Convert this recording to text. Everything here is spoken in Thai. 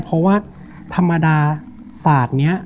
เพราะว่าธรรมดาศาสตร์นี้